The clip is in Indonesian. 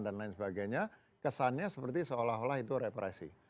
dan lain sebagainya kesannya seperti seolah olah itu represi